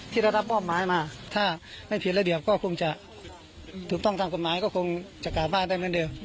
ที่รับป้องไม้มาถ้าไม่ผิดระเบียบก็คงจะถึงต้องทางกลมอังกษ์ก็คงจะกลับบ้านได้